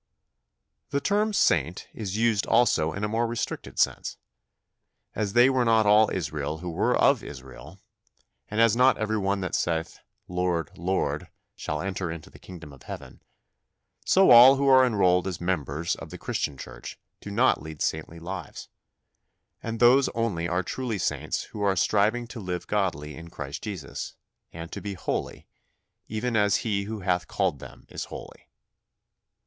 The term "saint" is used also in a more restricted sense. As they were not all Israel who were of Israel, and as not every one that saith "Lord, Lord" shall enter into the kingdom of heaven, so all who are enrolled as members of the Christian Church do not lead saintly lives, and those only are truly saints who are striving to live godly in Christ Jesus, and to be holy, even as He who hath called them is holy.